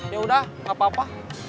yaudah enggak apa apa